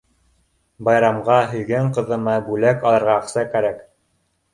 Байрамға һөйгән ҡыҙыма бүләк алырға аҡса кәрәк.